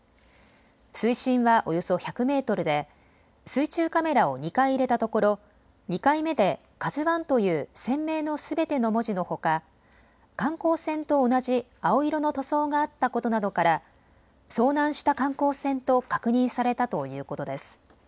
水深はおよそ１００メートルで水中カメラを２回入れたところ２回目でＫＡＺＵＩという船名のすべての文字のほか観光船と同じ青色の塗装があったことなどから遭難した観光船と確認されたということです。